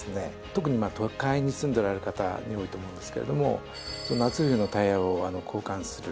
特に都会に住んでおられる方に多いと思うんですけれども夏・冬のタイヤを交換する。